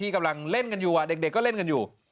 กำลังเล่นกันอยู่เด็กก็เล่นกันอยู่